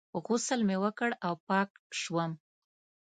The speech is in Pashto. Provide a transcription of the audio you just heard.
غسل مې وکړ او پاک شوم.